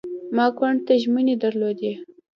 ما ګوند ته ژمنې درلودې.